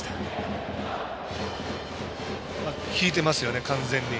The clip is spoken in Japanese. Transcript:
引いてますよね、完全に。